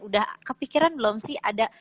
udah kepikiran belum sih ada